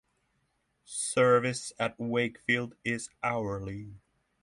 Service at Wakefield is hourly.